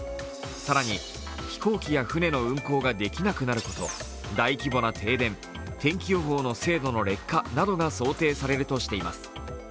更に、飛行機や船の運航ができなくなること、大規模な停電、天気予報の精度の劣化などが想定されるとしています。